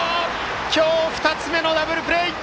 今日２つ目のダブルプレー！